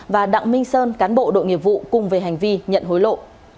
và đặng minh sơn cán bộ đội nghiệp vụ cùng về hành vi nhận hối lộ